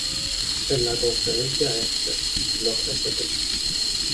En la Conferencia Este, los St.